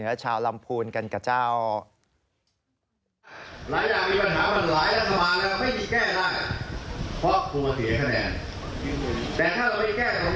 แต่ถ้าเราไม่แก้ตรงนี้ก็จะพังไปเรื่อย